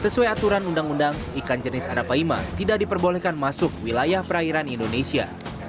sesuai aturan undang undang ikan jenis arapaima tidak diperbolehkan masuk wilayah perairan indonesia